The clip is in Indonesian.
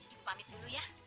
ibu pamit dulu ya